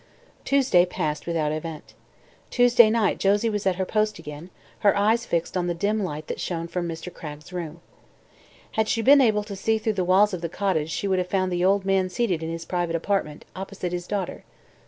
Tuesday passed without event. Tuesday night Josie was at her post again, her eyes fixed on the dim light that shone from Mr. Cragg's room. Had she been able to see through the walls of the cottage she would have found the old man seated in his private apartment opposite his daughter.